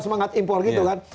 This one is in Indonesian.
semangat impor gitu kan